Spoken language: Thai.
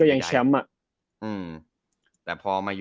ก็ยังแชมป์อะ